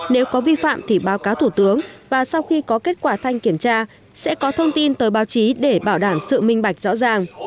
nếu có vi phạm thì báo cáo thủ tướng và sau khi có kết quả thanh kiểm tra sẽ có thông tin tới báo chí để bảo đảm sự minh bạch rõ ràng